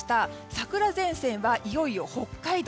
桜前線は、いよいよ北海道。